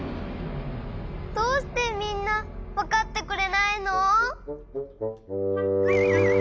どうしてみんなわかってくれないの！？